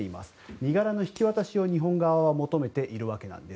身柄の引き渡しを日本側は求めているわけです。